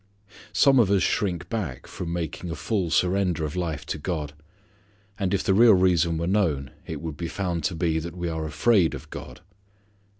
Some of us shrink back from making a full surrender of life to God. And if the real reason were known it would be found to be that we are afraid of God.